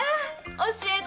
教えて！